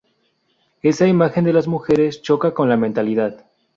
esa imagen de las mujeres choca con la mentalidad